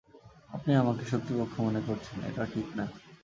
আপনি আমাকে শত্রুপক্ষ মনে করছেন, এটা ঠিক না।